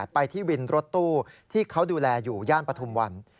ไปที่วินรถตู้ที่เขาดูแลอยู่ย่านปฐุมวัน